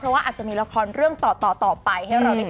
เพราะว่าอาจจะมีละครเรื่องต่อต่อไป